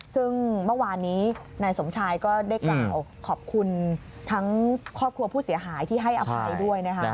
ซึ่งเมื่อวานนี้นายสมชายก็ได้กล่าวขอบคุณทั้งครอบครัวผู้เสียหายที่ให้อภัยด้วยนะคะ